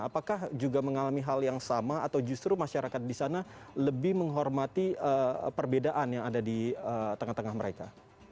apakah juga mengalami hal yang sama atau justru masyarakat di sana lebih menghormati perbedaan yang ada di tengah tengah mereka